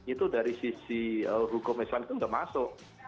itu dari sisi hukum islam itu sudah masuk